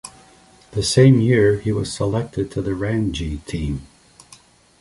The same year he was selected to the Ranji team.